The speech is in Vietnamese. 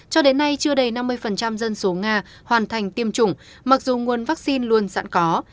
cho đến nay chưa đầy năm mươi dân số nga hoàn thành tiêm chủng mặc dù nguồn vaccine luôn sẵn có